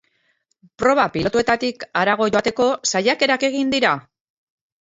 Proba pilotuetatik harago joateko saiakerak egin dira?